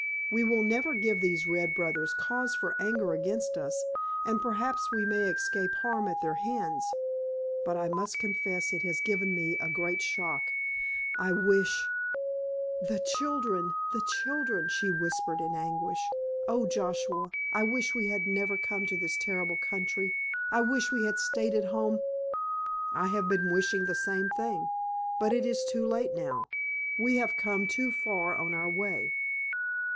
"We will never give these red brothers cause for anger against us, and perhaps we may escape harm at their hands. But I must confess it has given me a great shock. I wish——" "The children—the children——" she whispered in anguish. "Oh, Joshua, I wish we had never come to this terrible country. I wish we had stayed at home——" "I have been wishing the same thing. But it is too late now. We have come too far on our way.